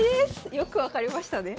よく分かりましたね。